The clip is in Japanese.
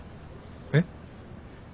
えっ？